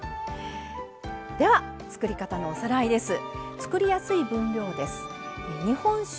では作り方のおさらいです。